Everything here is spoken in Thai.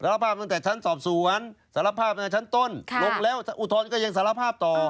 รับภาพตั้งแต่ชั้นสอบสวนสารภาพตั้งแต่ชั้นต้นลงแล้วอุทธรณ์ก็ยังสารภาพต่อ